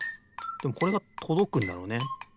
でもこれがとどくんだろうね。